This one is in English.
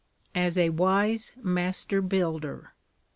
As a wise master builder.